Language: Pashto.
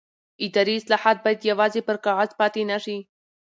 اداري اصلاحات باید یوازې پر کاغذ پاتې نه شي